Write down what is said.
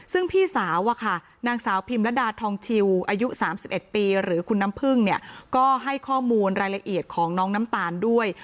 ซึ่งพี่สาวอะค่ะนางสาวพิมระดาทองชิวอายุ๓๑ปีหรือคุณน้ำพึ่งเนี่ยก็ให้ข้อมูลรายละเอียดของน้องน้ำตาลด้วย